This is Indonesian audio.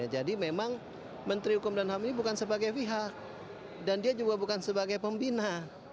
jadi memang menteri hukum dan ham ini bukan sebagai pihak dan dia juga bukan sebagai pembina